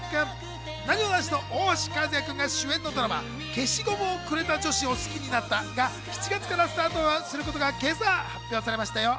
なにわ男子の大橋和也君が主演のドラマ『消しゴムをくれた女子を好きになった。』が７月からスタートすることが今朝、発表されましたよ。